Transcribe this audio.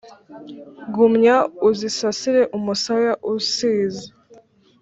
Gumya uzisasire umusaya usize